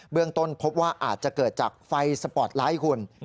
เรื่องต้นพบว่าอาจจะเกิดจากไฟสปอร์ตไลท์คุณ